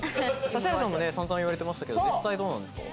指原さんも散々言われてましたけど実際どうなんですか？